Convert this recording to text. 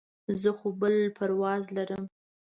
زه خو بل پرواز لرم.